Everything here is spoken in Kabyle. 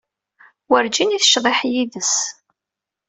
Werǧin i tecḍiḥ yid-s.